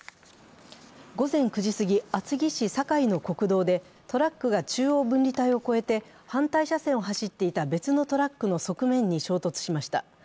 午前９時すぎ厚木市酒井の国道でトラックが中央分離帯を越えて反対車線を走っていた別のトラックの側面に衝突しました。